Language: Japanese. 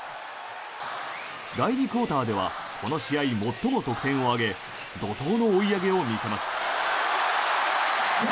第２クオーターではこの試合最も得点を挙げ怒とうの追い上げを見せます。